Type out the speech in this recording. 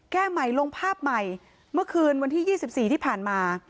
แก้ใหม่ลงภาพใหม่เมื่อคืนวันที่๒๔ที่ผ่านมา